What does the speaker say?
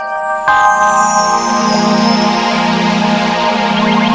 amba akan menang